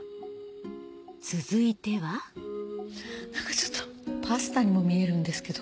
続いては何かちょっとパスタにも見えるんですけど。